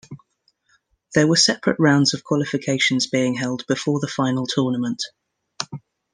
There were separate rounds of qualifications being held before the Final Tournament.